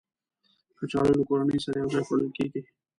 کچالو له کورنۍ سره یو ځای خوړل کېږي